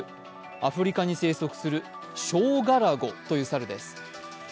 アフリカに生息するショウガラゴという猿です。